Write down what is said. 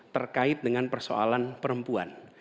terkait dengan persoalan perempuan